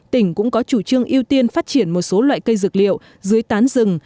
tỉnh cũng có chủ trương ưu tiên phát triển một số loại cây dược liệu dưới tán rừng